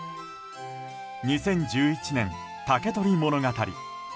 ２０１１年、「竹取物語」。